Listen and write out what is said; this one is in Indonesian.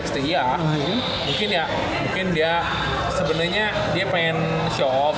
tiga x tiga ya mungkin ya mungkin dia sebenarnya dia pengen show off